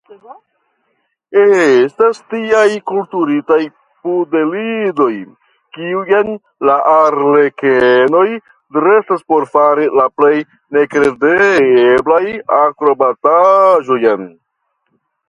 Estas tiaj kulturitaj pudelidoj, kiujn la arlekenoj dresas por fari la plej nekredeblajn akrobataĵojn.